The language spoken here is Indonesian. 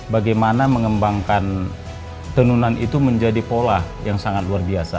bagaimana mengembangkan tenunan itu menjadi pola yang sangat luar biasa